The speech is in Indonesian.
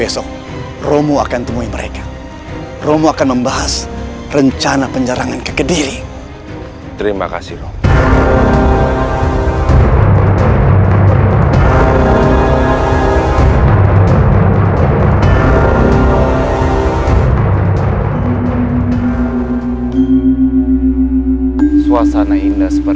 suasana indah seperti ini